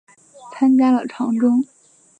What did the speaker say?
参加了长征。